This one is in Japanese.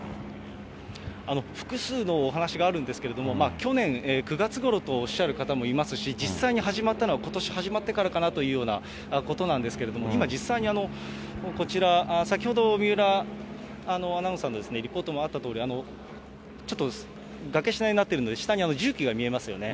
複数のお話があるんですけれども、去年９月ごろとおっしゃる方もいますし、実際に始まったのはことし始まってからかなというようなことなんですけれども、今、実際にこちら、先ほど、三浦アナウンサーのリポートもあったとおり、ちょっと崖下になってるので、下に重機が見えますよね。